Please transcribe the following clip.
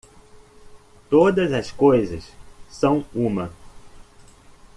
Todas as coisas são uma.